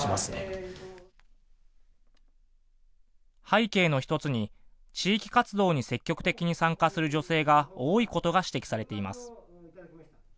背景の１つに、地域活動に積極的に参加する女性が多いことが指摘されています。